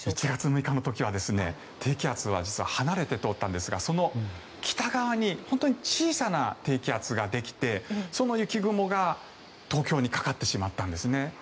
１月６日の時は実は低気圧は離れて通ったんですがその北側に本当に小さな低気圧ができてその雪雲が東京にかかってしまったんですね。